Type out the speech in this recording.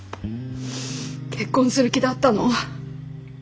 結婚する気だったの？